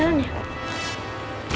kesian dia allah